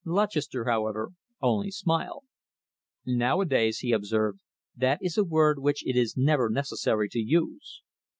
Lutchester, however, only smiled. "Nowadays," he observed, "that is a word which it is never necessary to use."